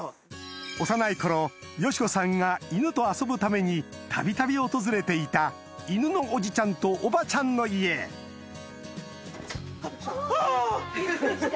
幼い頃よしこさんが犬と遊ぶためにたびたび訪れていた犬のおじちゃんとおばちゃんの家あっびっくりしたあぁ。